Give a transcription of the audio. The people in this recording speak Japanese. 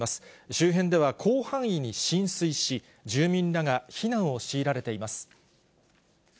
周辺では広範囲に浸水し、住民らが避難を強いられています。